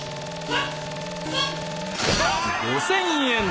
５，０００円！